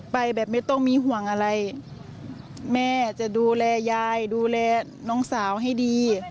ไปดูแลน้องสาวให้ดี